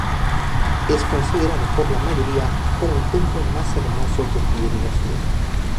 Es considerado por la mayoría como el templo más hermoso que tiene la ciudad.